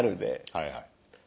はいはい。